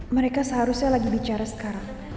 mereka seharusnya lagi bicara sekarang